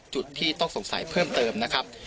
จุดที่ต้องสงสัยเพิ่มเติมนะครับ